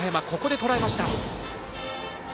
ここでとらえました。